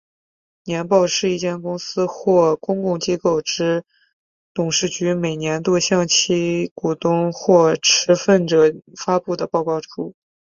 年报是一间公司或公共机构之董事局每年度向其股东或持份者发布的报告书。